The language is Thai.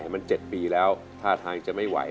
มัน๗ปีแล้วท่าทางจะไม่ไหว